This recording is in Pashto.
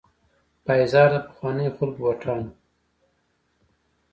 پایزار د پخوانیو خلکو بوټان وو.